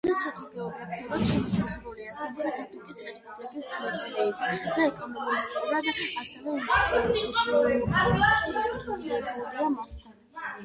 ლესოთო გეოგრაფიულად შემოსაზღვრულია სამხრეთ აფრიკის რესპუბლიკის ტერიტორიით და ეკონომიკურად ასევე ინტეგრირებულია მასთან.